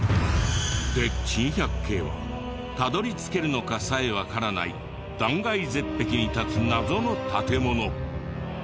で珍百景はたどり着けるのかさえわからない断崖絶壁に立つ謎の建物。